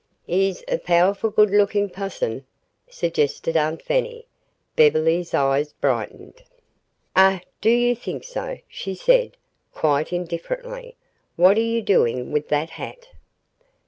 "'E's er pow'ful good lookin' pusson," suggested Aunt Fanny. Beverly's eyes brightened. "Oh, do you think so?" she said, quite indifferently. "What are you doing with that hat?"